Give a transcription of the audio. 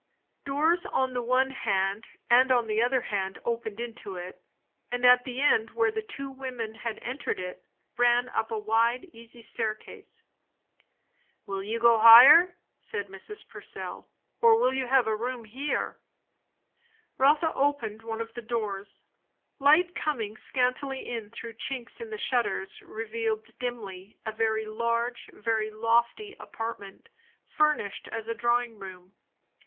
Doors on the one hand and on the other hand opened into it, and at the end where the two women had entered it, ran up a wide easy staircase. "Will you go higher?" said Mrs. Purcell; "or will you have a room here?" Rotha opened one of the doors. Light coming scantily in through chinks in the shutters revealed dimly a very large, very lofty apartment, furnished as a drawing room.